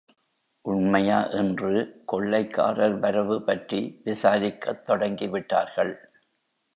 உண்மையா? என்று கொள்ளைக் காரர் வரவு பற்றி விசாரிக்கத் தொடங்கிவிட்டார்கள்.